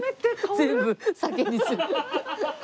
全部酒にする。